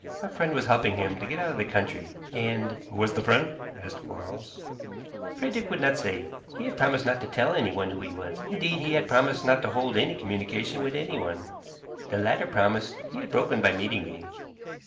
A friend was helping him to get out of the country, and " "Who was the friend?" asked Quarles. "Frederick would not say. He had promised not to tell anyone who he was; indeed, he had promised not to hold any communication with anyone. The latter promise he had broken by meeting me.